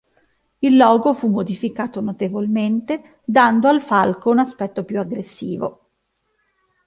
Il logo fu modificato notevolmente, dando al falco un aspetto più aggressivo.